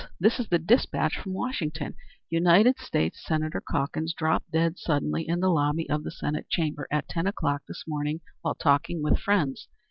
This is the despatch from Washington: 'United States Senator Calkins dropped dead suddenly in the lobby of the Senate chamber, at ten o'clock this morning, while talking with friends.